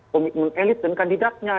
komitmen elit dan kandidatnya